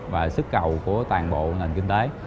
và sức cầu của toàn bộ nền kinh tế